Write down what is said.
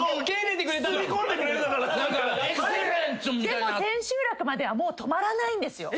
でも千秋楽まではもう止まらないんですよ。